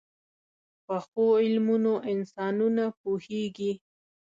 پخو علمونو انسانونه پوهيږي